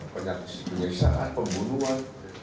penyaksian penyelisahan pembunuhan